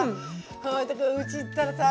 うち行ったらさ